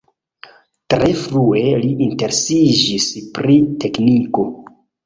Tre frue li interesiĝis pri tekniko.